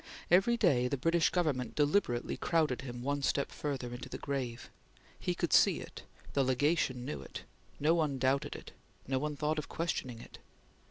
Every day the British Government deliberately crowded him one step further into the grave. He could see it; the Legation knew it; no one doubted it; no one thought of questioning it.